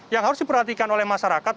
yang harus diperhatikan oleh masyarakat